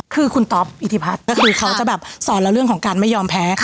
คือคุณต๊อปอิทธิพัฒน์ก็คือเขาจะแบบสอนแล้วเรื่องของการไม่ยอมแพ้